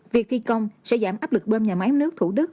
việc thi công sẽ giảm áp lực bơm nhà máy nước thủ đức